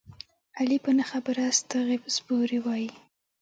علي په نه خبره ستغې سپورې وايي.